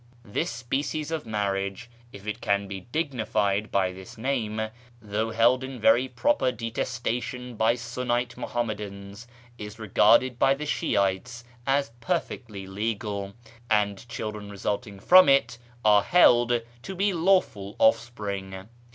This species of marriage (if it can be dignified by this name), though held in very proper detestation by Sunnite Muham madans, is regarded by the Shi'ites as perfectly legal, and children resulting from it are held to be lawful offspring.